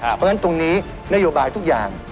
เพราะฉะนั้นตรงนี้นโยบายทุกอย่าง